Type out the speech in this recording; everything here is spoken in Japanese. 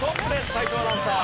斎藤アナウンサー。